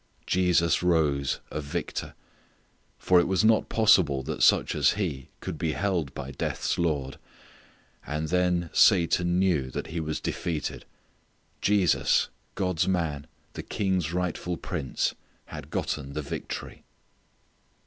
Jesus rose a Victor. For it was not possible that such as He could be held by death's lord. And then Satan knew that he was defeated. Jesus, God's Man, the King's rightful prince, had gotten the victory.